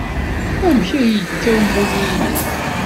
Amek ay yekka umulli-nnek?